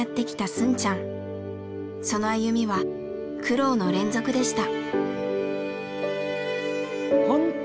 その歩みは苦労の連続でした。